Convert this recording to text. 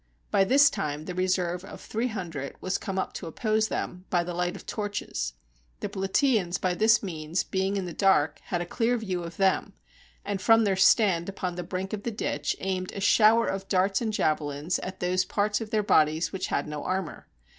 ' By this time the reserve of three hundred was come up to oppose them, by the light of torches. The Plataeans by this means, being in the dark, had a clear view of them, and, from their stand upon the brink of the ditch aimed a shower of darts and javelins at those parts of their bodies which had no armor.